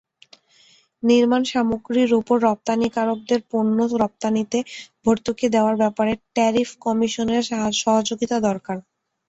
নির্মাণসামগ্রীর ওপর রপ্তানিকারকদের পণ্য রপ্তানিতে ভর্তুকি দেওয়ার ব্যাপারে ট্যারিফ কমিশনের সহযোগিতা দরকার।